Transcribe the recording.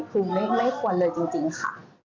คือไม่ควรเลยจริงค่ะ